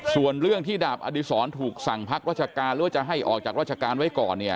ส่วนเรื่องที่ดาบอดีศรถูกสั่งพักราชการหรือว่าจะให้ออกจากราชการไว้ก่อนเนี่ย